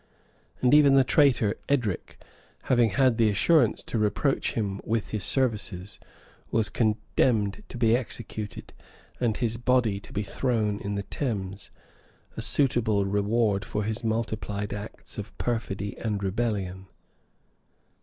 And even the traitor Edric, having had the assurance to reproach him with his services, was condemned to be executed, and his body to be thrown into the Thames; a suitable reward for his multiplied acts of perfidy and rebellion.